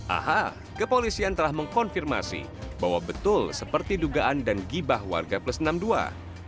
aha kepolisian telah mengkonfirmasi bahwa betul seperti dugaan dan gibah warga plus enam puluh dua